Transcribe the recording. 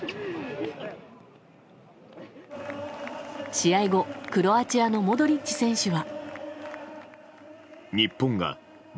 試合後クロアチアのモドリッチ選手は。